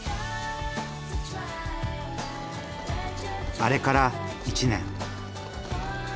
あれから１年。